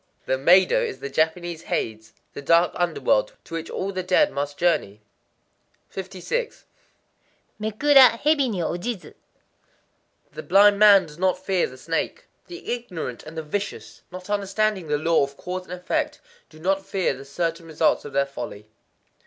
The Meidō is the Japanese Hades,—the dark under world to which all the dead must journey. 56.—Mekura hebi ni ojizu. The blind man does not fear the snake. The ignorant and the vicious, not understanding the law of cause and effect, do not fear the certain results of their folly.